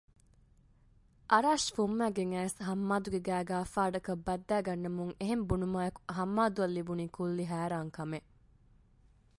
އަރާޝް ފުންމައިގެން އައިސް ހައްމާދުގެ ގައިގައި ފާޑަކަށް ބައްދައިގަންނަމުން އެހެން ބުނުމާއެކު ހައްމާދުއަށް ލިބުނީ ކުއްލި ހައިރާންކަމެއް